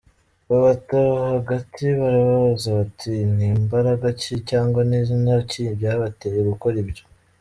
Babata hagati barababaza bati ni mbaraga ki, cyangwa ni zina ki byabateye gukora ibyo ?”.